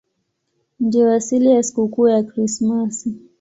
Ndiyo asili ya sikukuu ya Krismasi.